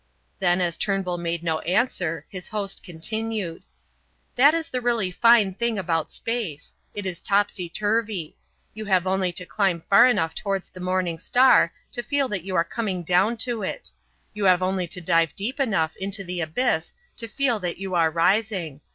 Then, as Turnbull made no answer, his host continued: "That is the really fine thing about space. It is topsy turvy. You have only to climb far enough towards the morning star to feel that you are coming down to it. You have only to dive deep enough into the abyss to feel that you are rising.